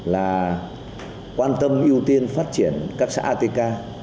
là quan tâm ưu tiên phát triển các xã atk